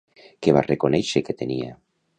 Que va reconèixer que tenia?